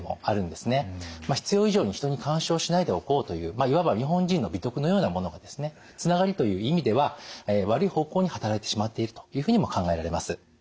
必要以上に人に干渉しないでおこうといういわば日本人の美徳のようなものがですねつながりという意味では悪い方向に働いてしまっているというふうにも考えられます。